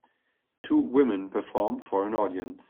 Two women perform for an audience.